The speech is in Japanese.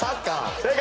正解。